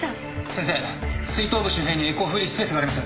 先生膵頭部周辺にエコーフリースペースがあります。